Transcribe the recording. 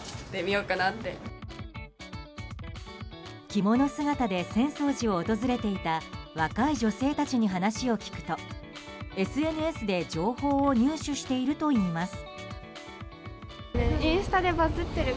着物姿で浅草寺を訪れていた若い女性たちに話を聞くとＳＮＳで情報を入手しているといいます。